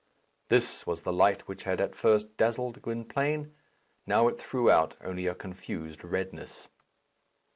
This was the light which had at first dazzled Gwynplaine; now it threw out only a confused redness.